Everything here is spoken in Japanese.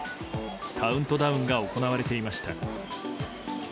カウントダウンが行われていました。